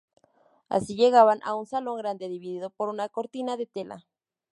Así llegaban a un salón grande dividido por una cortina de tela.